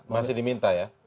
masih diminta ya